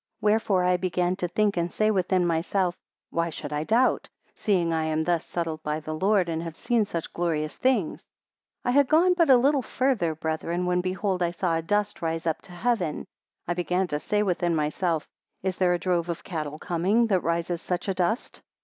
Wherefore I began to think, and say within myself, why should I doubt, seeing I am thus settled by the Lord, and have seen such glorious things? 6 I had gone but a little farther, brethren, when behold I saw a dust rise up to heaven. I began to say within myself, is there a drove of cattle coming, that rises such a dust?